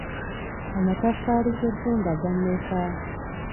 Amataffaali g'ebbumba ga mmeka?